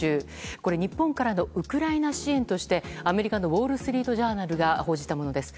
これは日本からのウクライナ支援としてアメリカのウォール・ストリート・ジャーナルが報じたものです。